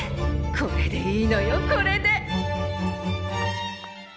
これでいいのよこれで！